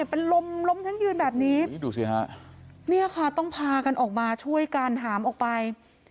เป็นลมล้มทั้งยืนแบบนี้ดูสิฮะเนี่ยค่ะต้องพากันออกมาช่วยกันหามออกไป